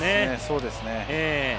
そうですね。